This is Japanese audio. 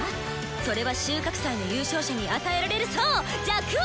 それは収穫祭の優勝者に与えられるそう「若王」！